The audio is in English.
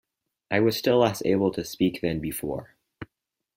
I was still less able to speak than before.